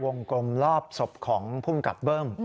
กลมรอบศพของภูมิกับเบิ้ม